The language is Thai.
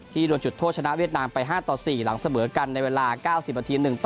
โดนจุดโทษชนะเวียดนามไป๕ต่อ๔หลังเสมอกันในเวลา๙๐นาที๑ต่อ